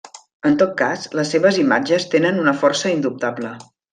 En tot cas, les seves imatges tenen una força indubtable.